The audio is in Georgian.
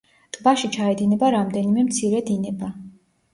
ტბაში ჩაედინება რამდენიმე მცირე დინება.